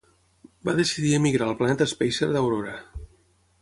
Va decidir emigrar al planeta Spacer d'Aurora.